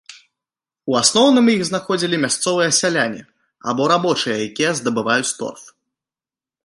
У асноўным іх знаходзілі мясцовыя сяляне або рабочыя, якія здабываюць торф.